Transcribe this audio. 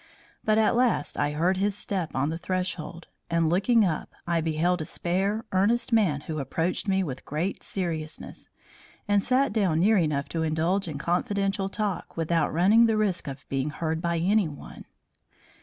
But at last I heard his step on the threshold, and looking up, I beheld a spare, earnest man who approached me with great seriousness, and sat down near enough to indulge in confidential talk without running the risk of being heard by anyone.